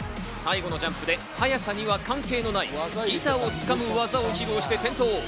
最後のジャンプで速さには関係のない板をつかむ技を披露して転倒。